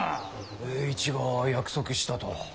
栄一が約束したと。